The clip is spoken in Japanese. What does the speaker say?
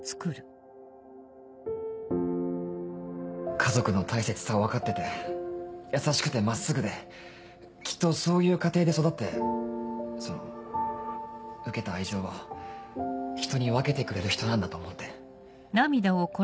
家族の大切さを分かってて優しくて真っすぐできっとそういう家庭で育ってその受けた愛情を人に分けてくれる人なんだと思って。